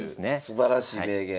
すばらしい名言。